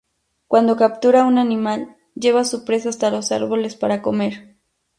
Cuando captura un animal, lleva su presa hasta los árboles para comer.